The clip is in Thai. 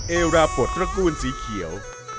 เอราปลดตระกูลสีเขียว